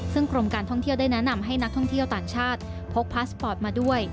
ซึ่งกรมการท่องเที่ยวได้แนะนำให้นักท่องเที่ยวต่างชาติพกพาสปอร์ตมาด้วย